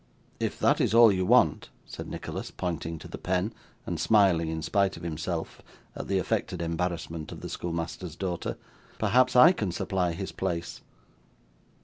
'If that is all you want,' said Nicholas, pointing to the pen, and smiling, in spite of himself, at the affected embarrassment of the schoolmaster's daughter, 'perhaps I can supply his place.